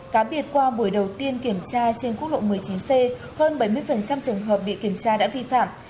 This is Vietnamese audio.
cá biệt qua buổi đầu tiên kiểm tra trên quốc lộ một mươi chín c hơn bảy mươi trường hợp bị kiểm tra đã vi phạm